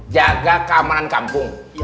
jaga keamanan kampung